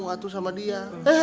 satu sama dia